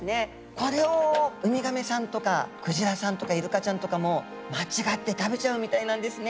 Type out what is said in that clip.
これをウミガメさんとかクジラさんとかイルカちゃんとかも間違って食べちゃうみたいなんですね。